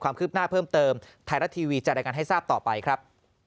ความคืบหน้าเพิ่มเติมไทยรัฐทีวีจะรายงานให้ทราบต่อไปครับ